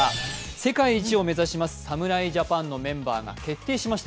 世界一を目指します侍ジャパンのメンバーが決定しました。